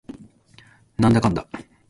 なんだかんだ